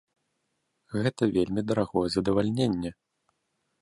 Гэта вельмі дарагое задавальненне.